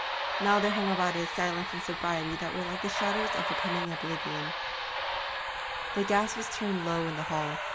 Now there hung about it a silence and sobriety that were like the shadows of coming oblivion. The gas was turned low in the hall.